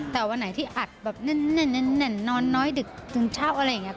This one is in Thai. แต่วันไหนที่อัดแบบแน่นนอนน้อยดึกจนเช้าอะไรอย่างนี้